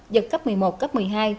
giật cấp một mươi một cấp một mươi hai